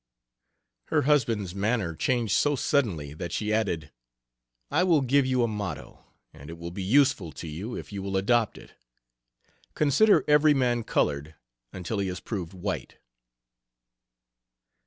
Her husband's manner changed so suddenly that she added: "I will give you a motto, and it will be useful to you if you will adopt it: Consider every man colored until he is proved white."